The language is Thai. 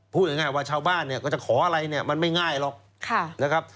พูดง่ายว่าชาวบ้านก็จะขออะไรมันไม่ง่ายหรอก